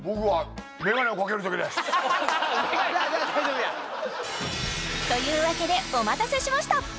じゃあ大丈夫やというわけでお待たせしました！